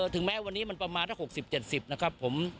ถึงแม้วันนี้มันประมาณสัก๖๐๗๐นะครับผม